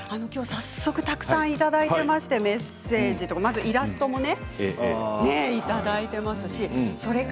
早速たくさんいただいていますメッセージ、そしてイラストもいただいています。